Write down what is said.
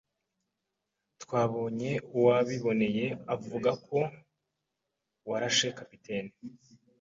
Twabonye uwabyiboneye avuga ko warashe capitene.